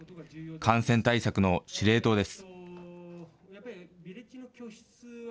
感染対策の司令塔です。